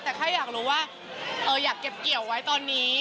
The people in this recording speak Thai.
แต่ใครอยากรู้ว่าอยากเก็บเกี่ยวไว้